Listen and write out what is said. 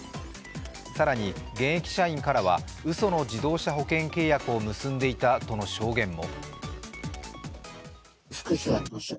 更に、現役社員からはうその自動車保険契約を結んでいたとの証言も。